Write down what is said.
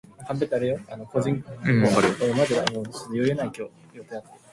Like in previous "Columns" games, there are also "Endless" and "Flash" modes available.